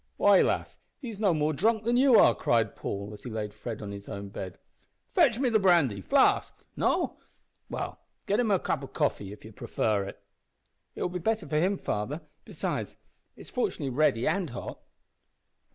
"Why, lass, he's no more drunk than you are!" cried Paul, as he laid Fred on his own bed. "Fetch me the brandy flask no? Well, get him a cup of coffee, if ye prefer it." "It will be better for him, father; besides, it is fortunately ready and hot."